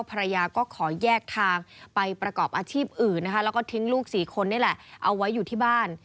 ภรรยาก็ขอแยกทางไปประกอบอาชีพอื่นนะคะแล้วก็ทิ้งลูก๔คนนี่แหละเอาไว้อยู่ที่บ้าน